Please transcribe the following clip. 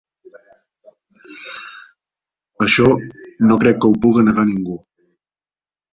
Això, no crec que ho puga negar ningú.